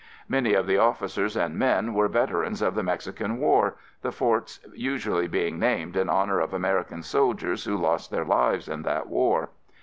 Many of the officers and men were veterans of the Mexican War, the forts usually being named in honor of American soldiers who lost their lives in that war.